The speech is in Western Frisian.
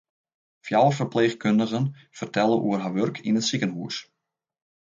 Fjouwer ferpleechkundigen fertelle oer har wurk yn it sikehûs.